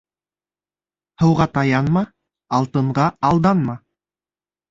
Һыуға таянма, алтынға алданма.